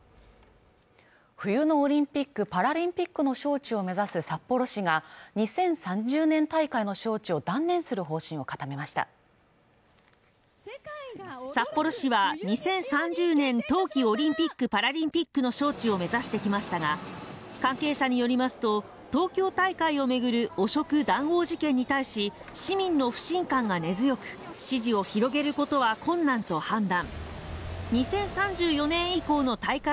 冬のオリンピック・パラリンピックの招致を目指す札幌市が２０３０年大会の招致を断念する方針を固めました札幌市は２０３０年冬季オリンピックパラリンピックの招致を目指してきましたが関係者によりますと東京大会を巡る汚職・談合事件に対し市民の不信感が根強く支持を広げることは困難と判断